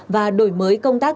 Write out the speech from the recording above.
và đổi mới công tác